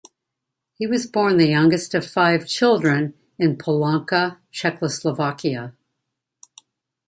He was born the youngest of five children in Polanka, Czechoslovakia.